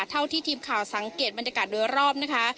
เท่าที่ทีมข่าวสังเกตบรรยากาศโดยรอบนะคะ